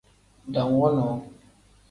Dam wonoo.